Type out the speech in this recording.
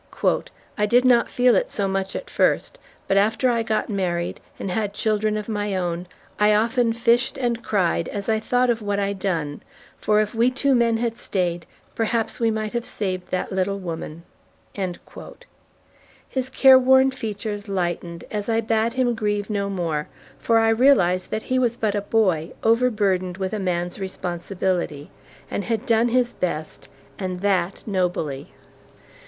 "I did not feel it so much at first; but after I got married and had children of my own, I often fished and cried, as I thought of what I done, for if we two men had stayed, perhaps we might have saved that little woman." His careworn features lightened as I bade him grieve no more, for I realized that he was but a boy, overburdened with a man's responsibilities, and had done his best, and that nobly.